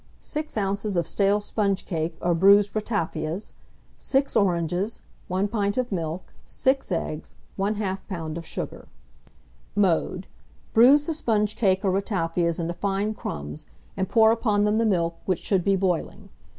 6 oz. of stale sponge cake or bruised ratafias, 6 oranges, 1 pint of milk, 6 eggs, 1/2 lb. of sugar. Mode. Bruise the sponge cake or ratafias into fine crumbs, and pour upon them the milk, which should be boiling.